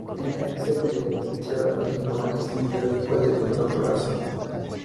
El título que obtiene es el de Licenciado en urbanismo, y luego puede doctorarse.